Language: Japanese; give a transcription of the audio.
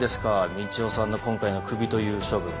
みちおさんの今回のクビという処分。